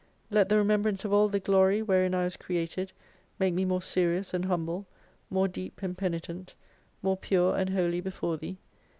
Let the remembrance of all the glory wherein I was created make me more serious and humble, more deep and penitent, more pure and holy before Thee.